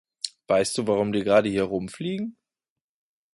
Weißt du warum die gerade hier rumfliegen?